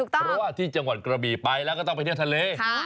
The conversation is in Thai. เพราะว่าที่จังหวัดกระบี่ไปแล้วก็ต้องไปเที่ยวทะเล